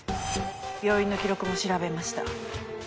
病院の記録も調べました。